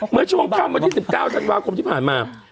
เมื่อช่วงค่ำวันที่๑๙ธันวาคมที่ผ่านมา